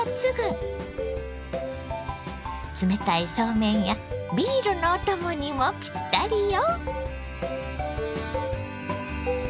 冷たいそうめんやビールのお供にもぴったりよ。